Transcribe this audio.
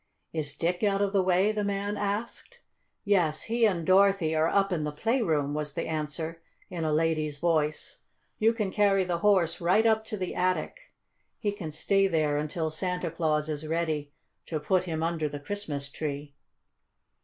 "Is Dick out of the way?" the man asked. "Yes, he and Dorothy are up in the playroom," was the answer in a lady's voice. "You can carry the Horse right up to the attic. He can stay there until Santa Claus is ready to put him under the Christmas tree."